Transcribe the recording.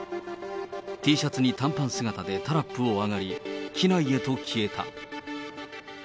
Ｔシャツに短パン姿でタラップを上がり、機内へと消えた。